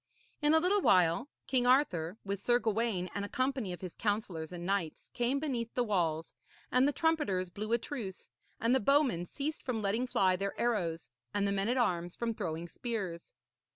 In a little while King Arthur, with Sir Gawaine and a company of his counsellors and knights, came beneath the walls, and the trumpeters blew a truce, and the bowmen ceased from letting fly their arrows and the men at arms from throwing spears.